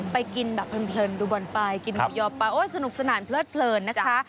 ไปกินแบบเพลินดูบอลไปกินหมูยอออไปสนุกสนานเพลิดนะคะ